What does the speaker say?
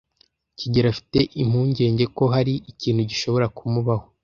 kigeli afite impungenge ko hari ikintu gishobora kumubaho.